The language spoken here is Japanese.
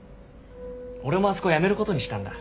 俺もあそこ辞めることにしたんだ。